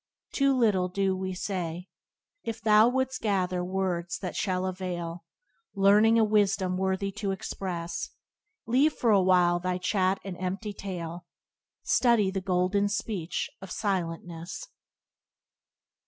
Too little do we say. If thou wouldst gather words that shall avail, Learning a wisdom worthy to express, Leave for a while thy chat and empty tale — Study the golden speech of silentness."